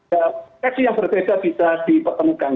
yaksi yang berbeda bisa dipertemukan